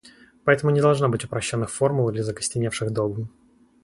Поэтому не должно быть упрощенных формул или закостеневших догм.